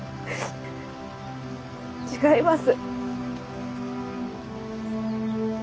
違います。